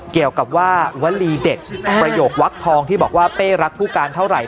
เกี่ยวกับว่าวลีเด็ดประโยควักทองที่บอกว่าเป้รักผู้การเท่าไหร่